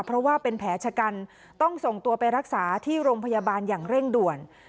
เพราะว่าเป็นแผลชะกันต้องส่งตัวไปรักษาที่โรงพยาบาลอย่างเร่งด่วน